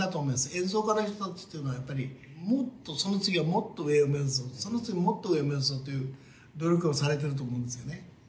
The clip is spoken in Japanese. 演奏家の人たちっていうのはやっぱりもっとその次はもっと上を目指そうその次はもっと上を目指そうという努力をされていると思うんですよね。